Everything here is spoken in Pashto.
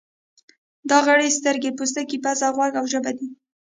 دا غړي سترګې، پوستکی، پزه، غوږ او ژبه دي.